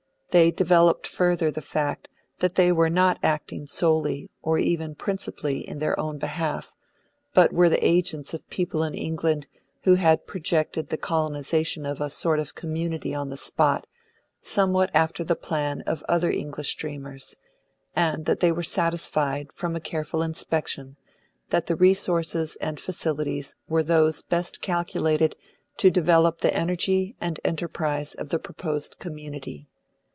They developed further the fact that they were not acting solely, or even principally, in their own behalf, but were the agents of people in England who had projected the colonisation of a sort of community on the spot, somewhat after the plan of other English dreamers, and that they were satisfied, from a careful inspection, that the resources and facilities were those best calculated to develop the energy and enterprise of the proposed community.